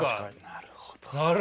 なるほど。